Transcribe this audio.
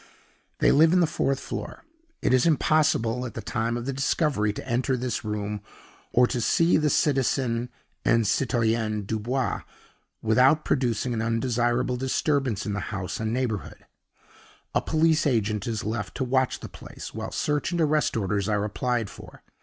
They live on the fourth floor. It is impossible, at the time of the discovery, to enter this room, or to see the citizen and citoyenne Dubois, without producing an undesirable disturbance in the house and neighborhood. A police agent is left to watch the place, while search and arrest orders are applied for.